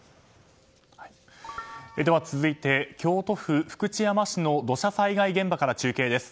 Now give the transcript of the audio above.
では続いて、京都府福知山市の土砂災害現場から中継です。